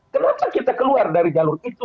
kenapa kita keluar dari jalur itu